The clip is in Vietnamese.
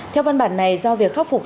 theo văn bản này do việc khắc phục